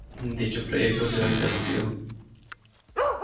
Dicho proyecto quedó interrumpido.